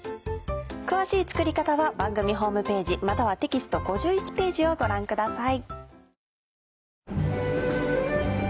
詳しい作り方は番組ホームページまたはテキスト５１ページをご覧ください。